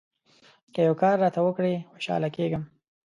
که یو کار راته وکړې ، خوشاله کېږم.